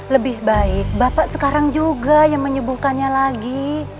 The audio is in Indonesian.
lebih baik bapak sekarang juga yang menyuguhkannya lagi